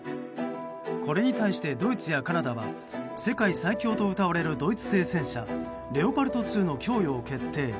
これに対してドイツやカナダは世界最強とうたわれるドイツ製戦車レオパルト２の供与を決定。